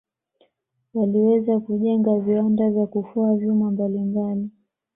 waliweza kujenga viwanda vya kufua vyuma mbalimbali